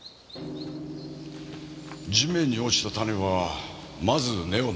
地面に落ちた種はまず根を伸ばす。